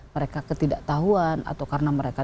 mereka ketidaktahuan atau karena mereka